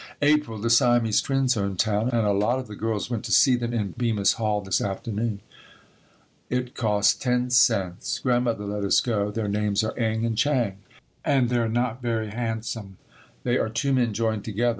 April. The Siamese twins are in town and a lot of the girls went to see them in Bemis Hall this afternoon. It costs 10 cents. Grandmother let us go. Their names are Eng and Chang and they are not very handsome. They are two men joined together.